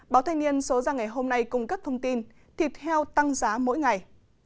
báo thanh niên số ra ngày hôm nay cung cấp thông tin thịt heo tăng giá mỗi ngày